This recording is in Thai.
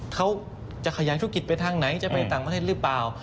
เขาจะขยายธุรกิจไปทางไหนจะไปต่างประเทศหรือเปล่า